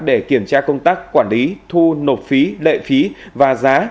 để kiểm tra công tác quản lý thu nộp phí lệ phí và giá